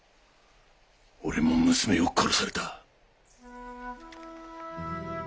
俺も娘を殺された。